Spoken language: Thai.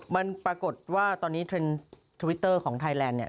มันปรากฏว่าตอนนี้เทรนด์ทวิตเตอร์ของไทยแลนด์เนี่ย